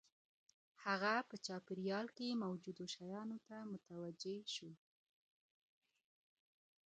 هغه په چاپېريال کې موجودو شیانو ته متوجه شو